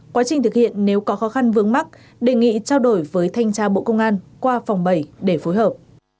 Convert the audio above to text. quá trình thực hiện nếu có khó khăn vướng mắt đề nghị trao đổi với thanh tra bộ công an qua phòng bảy để phối hợp